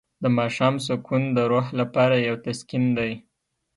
د ماښام سکون د روح لپاره یو تسکین دی.